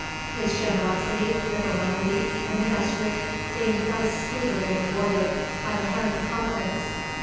His generosity, liberality, and industry being thus speedily rewarded by the hand of Providence.